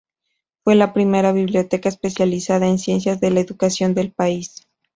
Fue la primera Biblioteca especializada en Ciencias de la Educación del país.